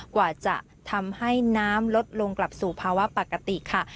กว่าจะทำให้น้ำลดลงกลับสู่ภาวะปกติค่ะ